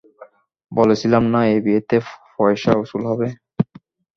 বলেছিলাম না এই বিয়েতে পয়সা উসুল হবে।